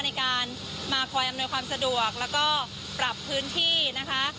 ในการมาคอยอำนวยความสะดวกแล้วก็ปรับพื้นที่นะคะ